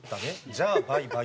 じゃあバイバイ。